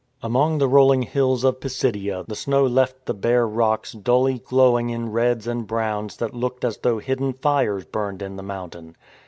Among the rolling hills of Pisidia the snow left the bare rocks dully glowing in reds and browns that looked as though hidden fires burned in the mountain.